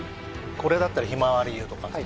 これだったらひまわり油とかさ